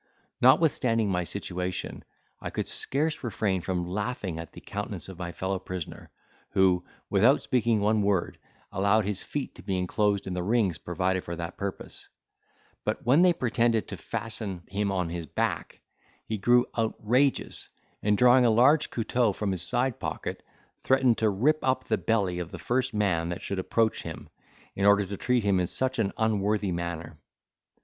Notwithstanding my situation, I could scarce refrain from laughing at the countenance of my fellow prisoner, who, without speaking one word, allowed his feet to be inclosed in the rings provided for that purpose; but, when they pretended to fasten him on his back he grew outrageous, and drawing a large couteau from his side pocket, threatened to rip up the belly of the first man that should approach him, in order to treat him in such an unworthy manner.